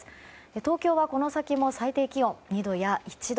東京はこの先も最低気温２度や１度。